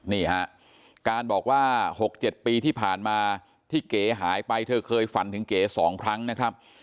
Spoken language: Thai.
นี่ฮะการบอกว่า๖๗ปีที่ผ่านมาที่เก๋หายไปเธอเคยฝันถึงเก๋๒ครั้งนะครับ